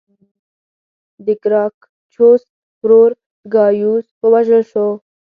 د ګراکچوس ورور ګایوس ووژل شو